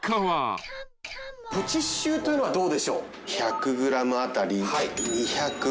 プチシューというのはどうでしょう？